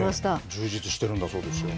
充実してるんだそうですよ。